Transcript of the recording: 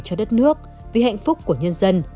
cho đất nước vì hạnh phúc của nhân dân